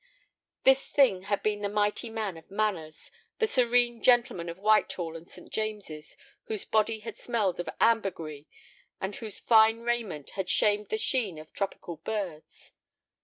This thing had been the mighty man of manners, the serene gentleman of Whitehall and St. James's, whose body had smelled of ambergris and whose fine raiment had shamed the sheen of tropical birds.